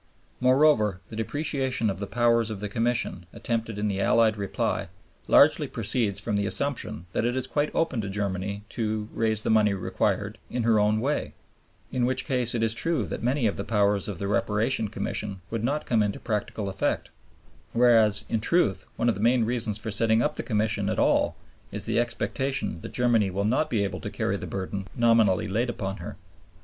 Moreover, the depreciation of the powers of the Commission attempted in the Allied reply largely proceeds from the assumption that it is quite open to Germany to "raise the money required in her own way," in which case it is true that many of the powers of the Reparation Commission would not come into practical effect; whereas in truth one of the main reasons for setting up the Commission at all is the expectation that Germany will not be able to carry the burden nominally laid upon her.